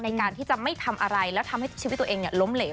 ในการที่จะไม่ทำอะไรแล้วทำให้ชีวิตตัวเองล้มเหลว